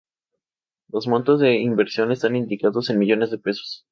Los montos de inversión están indicados en millones de pesos.